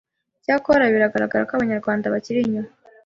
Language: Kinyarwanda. icyakora bigaragara ko Abanyarwanda bakiri inyuma